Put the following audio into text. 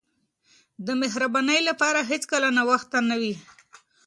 د مهربانۍ لپاره هیڅکله ناوخته نه وي.